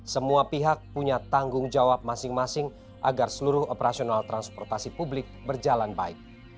semua pihak punya tanggung jawab masing masing agar seluruh operasional transportasi publik berjalan baik